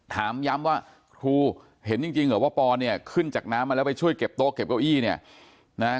ถามย้ำว่าครูเห็นจริงเหรอว่าปอนเนี่ยขึ้นจากน้ำมาแล้วไปช่วยเก็บโต๊ะเก็บเก้าอี้เนี่ยนะฮะ